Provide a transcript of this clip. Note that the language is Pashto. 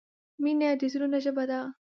مینه د زړونو ژبه ده.